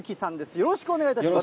よろしくお願いします。